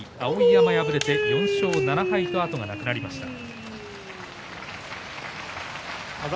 碧山、敗れて４勝７敗と後がなくなりました。